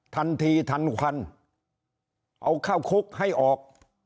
ทันทีทันควันเอาเข้าคุกให้ออก